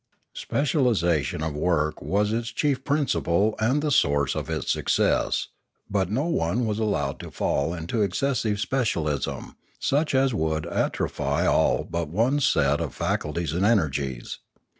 Specialisa tion of work was its chief principle and the source of its success, but no one was allowed to fall into excessive specialism, such as would atrophy all but one set of faculties and energies.